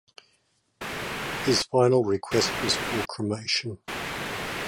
His final request was for cremation.